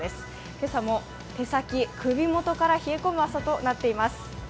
今朝も手先、首元から冷え込む朝となっています。